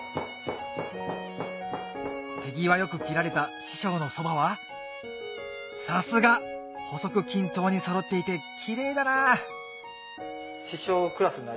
手際よく切られた師匠のそばはさすが！細く均等にそろっていてキレイだな１１